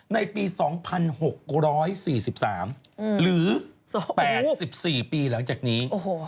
ในปี๒๖๔๓หรือ๘๔ปีหลังจากนี้